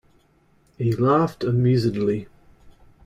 He laughed amusedly.